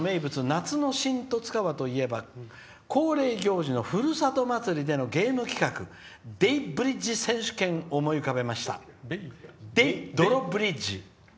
夏の新十津川といえば恒例行事のふるさとまつりでのゲーム企画泥ブリッジ選手権を思い浮かべました。